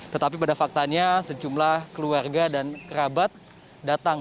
tetapi pada faktanya sejumlah keluarga dan kerabat datang